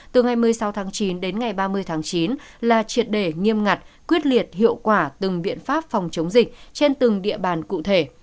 từ ngày một mươi sáu tháng chín đến ngày ba mươi tháng chín là triệt đề nghiêm ngặt quyết liệt hiệu quả từng biện pháp phòng chống dịch trên từng địa bàn cụ thể